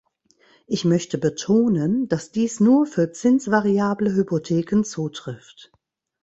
Ich möchte betonen, dass dies nur für zinsvariable Hypotheken zutrifft.